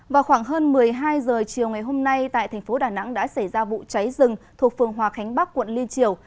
vào khoảng hơn một mươi hai h chiều ngày hôm nay tại thành phố đà nẵng đã xảy ra vụ cháy rừng thuộc phường hòa khánh bắc quận liên triều